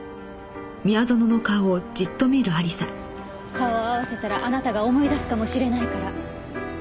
顔を合わせたらあなたが思い出すかもしれないから。